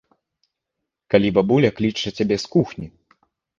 Калі бабуля кліча цябе з кухні.